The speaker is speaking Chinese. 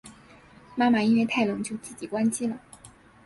妈妈因为太冷就自己关机了